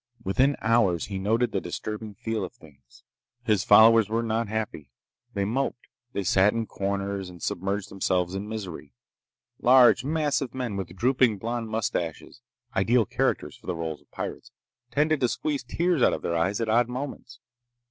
Within hours he noted the disturbing feel of things. His followers were not happy. They moped. They sat in corners and submerged themselves in misery. Large, massive men with drooping blond mustaches—ideal characters for the roles of pirates—tended to squeeze tears out of their eyes at odd moments.